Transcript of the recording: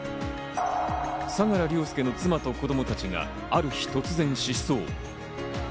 相良凌介の妻と子供たちがある日、突然失踪。